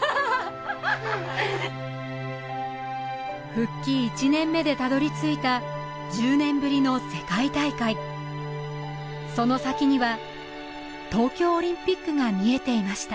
復帰１年目でたどりついた１０年ぶりの世界大会その先には東京オリンピックが見えていました